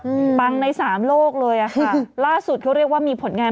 ปังในสามโลกเลยอ่ะค่ะล่าสุดเขาเรียกว่ามีผลงาน